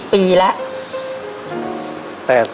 เป็นผู้แรกที่กลายเป็นครับ